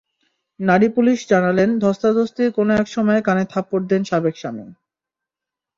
নারী পুলিশ জানালেন, ধ্বস্তাধ্বস্তির কোনো একসময় কানে থাপড় দেন সাবেক স্বামী।